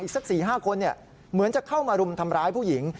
สัก๔๕คนเหมือนจะเข้ามารุมทำร้ายผู้หญิง